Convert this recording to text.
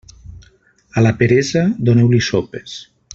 A la peresa, doneu-li sopes.